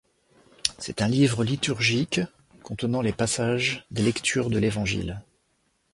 C'est un livre liturgique contenant les passages des lectures de l'Évangiles.